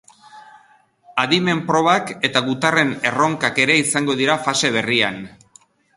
Adimen probak eta gutarren erronkak ere izango dira fase berrian.